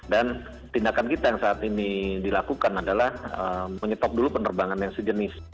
dan tindakan kita yang saat ini dilakukan adalah menyetok dulu penerbangan yang sejenis